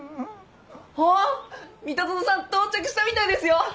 あっ三田園さん到着したみたいですよ！